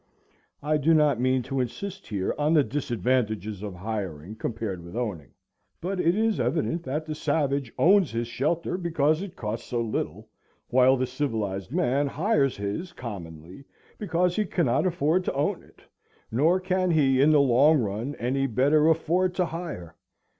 I do not mean to insist here on the disadvantage of hiring compared with owning, but it is evident that the savage owns his shelter because it costs so little, while the civilized man hires his commonly because he cannot afford to own it; nor can he, in the long run, any better afford to hire.